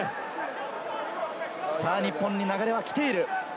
日本に流れは来ている。